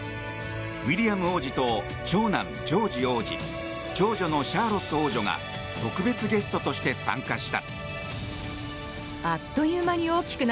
ウィリアム王子と長男ジョージ王子長女のシャーロット王女が特別ゲストとして参加した。